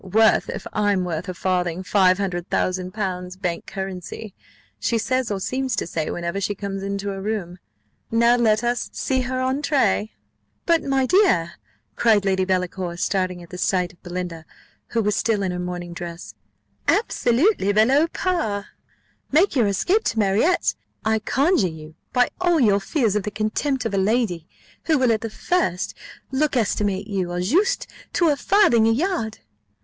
'Worth, if I'm worth a farthing, five hundred thousand pounds bank currency!' she says or seems to say, whenever she comes into a room. Now let us see her entrée " "But, my dear," cried Lady Delacour, starting at the sight of Belinda, who was still in her morning dress, "absolutely below par! Make your escape to Marriott, I conjure you, by all your fears of the contempt of a lady, who will at the first look estimate you, au juste, to a farthing a yard."